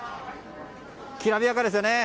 きらびやかですよね。